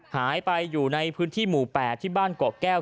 หายไปอยู่ในพื้นที่หมู่๘ที่บ้านเกาะแก้ว